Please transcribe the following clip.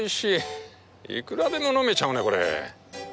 いくらでも飲めちゃうねこれ。